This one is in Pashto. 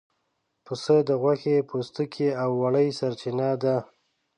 پسه د غوښې، پوستکي او وړۍ سرچینه ده.